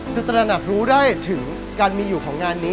ตระหนักรู้ได้ถึงการมีอยู่ของงานนี้